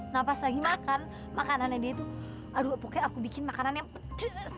nah pas lagi makan makanannya dia tuh aduh pokoknya aku bikin makanan yang pedas